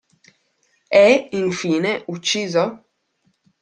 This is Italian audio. E, in fine, ucciso?